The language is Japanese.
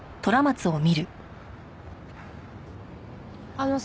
あのさ。